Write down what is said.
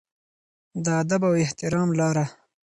د ادب او احترام لاره.